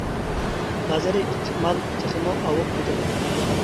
بازىرى ئىتتىك مال تېخىمۇ ئاۋۇپ كېتىدۇ.